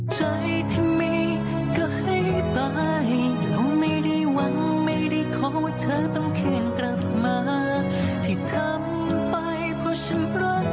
เกิบ๙ปีสันนี้แหละจากที่ห้ามเป็นครับ